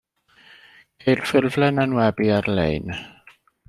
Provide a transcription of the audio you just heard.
Ceir ffurflen enwebu ar-lein.